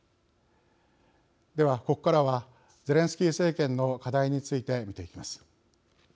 では、ここからはゼレンスキー政権の課題について見ていきます。